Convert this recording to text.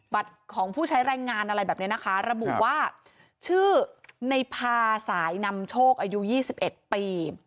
ของผู้ใช้แรงงานอะไรแบบนี้นะคะระบุว่าชื่อในพาสายนำโชคอายุ๒๑ปี